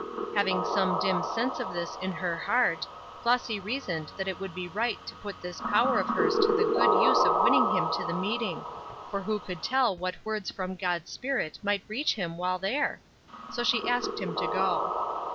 Having some dim sense of this in her heart, Flossy reasoned that it would be right to put this power of hers to the good use of winning him to the meeting, for who could tell what words from God's Spirit might reach him while there? So she asked him to go.